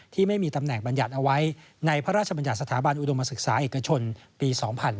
ที่มีตำแหน่งบรรยัติเอาไว้ในพระราชบัญญัติสถาบันอุดมศึกษาเอกชนปี๒๕๕๙